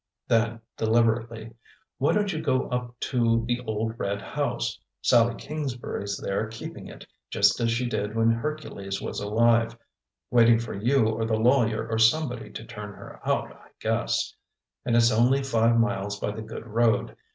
Then deliberately: "Why don't you go up to the old red house? Sallie Kingsbury's there keeping it, just as she did when Hercules was alive; waiting for you or the lawyer or somebody to turn her out, I guess. And it's only five miles by the good road.